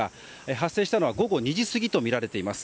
発生したのは午後２時過ぎとみられています。